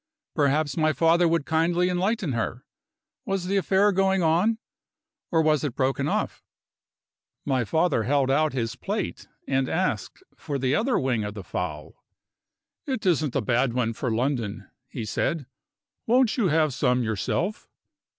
Perhaps my father would kindly enlighten her? Was the affair going on? or was it broken off? My father held out his plate and asked for the other wing of the fowl. "It isn't a bad one for London," he said; "won't you have some yourself?"